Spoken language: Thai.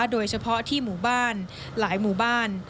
โดยเฉพาะที่หมู่บ้านหลายหมู่บ้าน